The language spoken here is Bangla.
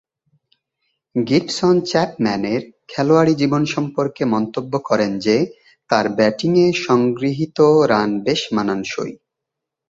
গিবসন চ্যাপম্যানের খেলোয়াড়ী জীবন সম্পর্কে মন্তব্য করেন যে, তার ব্যাটিংয়ে সংগৃহীত রান বেশ মানানসই।